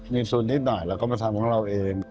มีสูญิตหน่อยแล้วก็มาทำของเราเอง